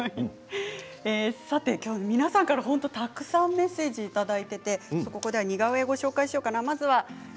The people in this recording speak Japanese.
さて、今日は皆さんからたくさんメッセージをいただいて似顔絵をご紹介しようかな。